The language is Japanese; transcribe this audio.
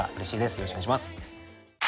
よろしくお願いします。